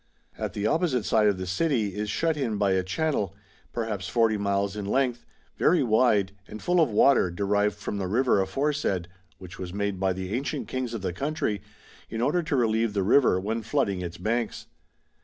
^ At the opposite side the city is shut in by a channel, perhaps 40 miles in length, very wide, and full of water derived from the river aforesaid, which was made by the ancient kings of the country in order to relieve the river when flooding its banks.